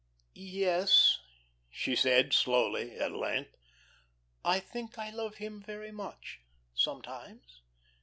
"Yes," she said, slowly at length. "I think I love him very much sometimes.